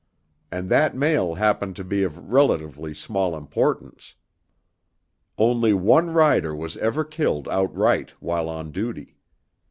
And that mail happened to be of relatively small importance. Only one rider was ever killed outright while on duty.